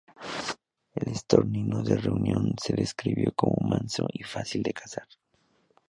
El estornino de Reunión se describió como manso y fácil de cazar.